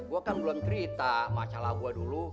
gue kan belum cerita masalah gue dulu